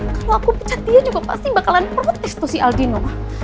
kalau aku pecat dia juga pasti bakalan protes tuh si aldino